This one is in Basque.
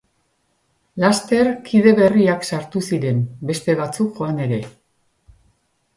Laster, kide berriak sartu ziren, beste batzuk joan ere.